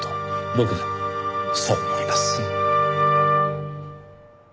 僕もそう思います。